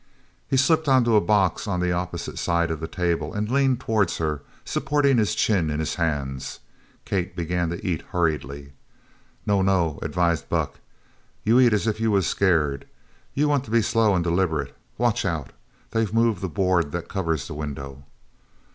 He slipped onto a box on the opposite side of the table and leaned towards her, supporting his chin in his hands. Kate began to eat hurriedly. "No! no!" advised Buck. "You eat as if you was scared. You want to be slow an' deliberate. Watch out! They've moved the board that covers the window!"